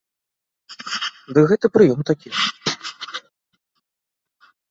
Дык гэта прыём такі.